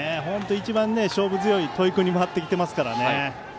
一番勝負強い戸井君に回ってきていますからね。